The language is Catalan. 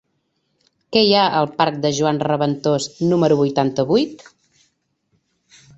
Què hi ha al parc de Joan Reventós número vuitanta-vuit?